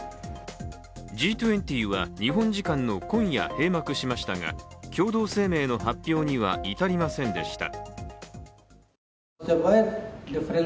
Ｇ２０は日本時間の今夜、閉幕しましたが共同声明の発表には至りませんでした。